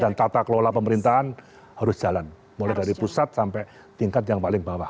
dan tata kelola pemerintahan harus jalan mulai dari pusat sampai tingkat yang paling bawah